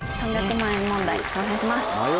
３００万円問題挑戦します。